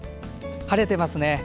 晴れていますね。